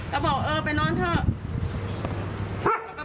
ก็บอกไปยอนนอนเถอะ